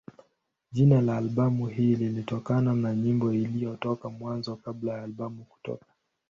Jina la albamu hii lilitokana na nyimbo iliyotoka Mwanzo kabla ya albamu kutoka.